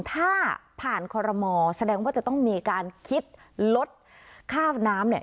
ถ้าผ่านคอรมอแสดงว่าจะต้องมีการคิดลดค่าน้ำเนี่ย